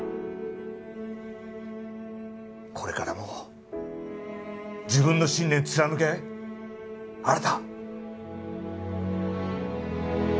これからも自分の信念貫け新！